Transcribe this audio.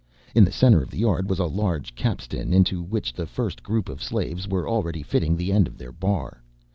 In the center of the yard was a large capstan into which the first group of slaves were already fitting the end of their bar.